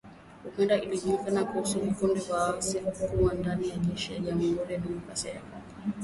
Uganda wanajua kuhusu vikundi vya waasi kuwa ndani ya jeshi la Jamhuri ya Kidemokrasia ya Kongo